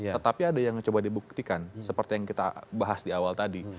tetapi ada yang coba dibuktikan seperti yang kita bahas di awal tadi